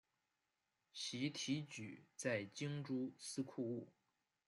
徙提举在京诸司库务。